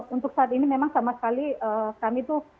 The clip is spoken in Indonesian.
untuk saat ini memang sama sekali kami tuh